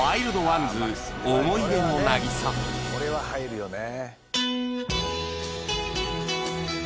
これは入るよね。